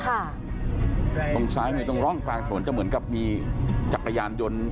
ตรงซ้ายมีตรงร่องกลางถนนจะเหมือนกับมีจักรยานยนต์